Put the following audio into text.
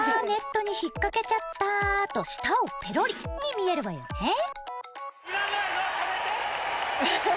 ネットに引っかけちゃったーと舌をペロリに見えるわよね。